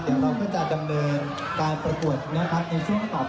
เดี๋ยวเราก็จะดำเนินการประกวดนะครับในช่วงต่อไป